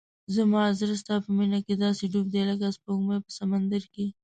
زما زړه ستا په مینه کې داسې ډوب شوی لکه سپوږمۍ په سمندر کې.